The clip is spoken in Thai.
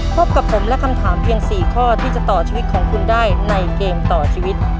พบกับผมและคำถามเพียง๔ข้อที่จะต่อชีวิตของคุณได้ในเกมต่อชีวิต